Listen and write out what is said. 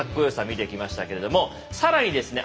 見てきましたけれども更にですね